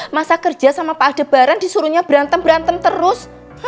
masa kerja sama pak adebaran disuruhnya berantem berantem terus